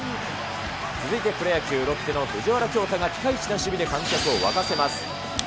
続いてプロ野球・ロッテの藤原恭大が、ピカイチな守備で観客を沸かせます。